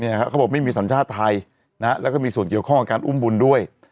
เขาบอกไม่มีสัญชาติไทยนะฮะแล้วก็มีส่วนเกี่ยวข้องกับการอุ้มบุญด้วย